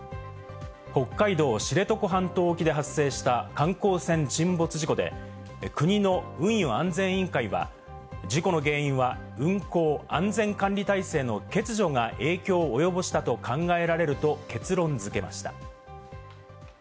北海道知床半島沖で発生した観光船沈没事故で、国の運輸安全委員会は、事故の原因は、運航・安全管理体制の欠如が影響を及ぼしたと考えられると結論付けました。